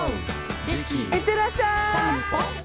いってらっしゃーい。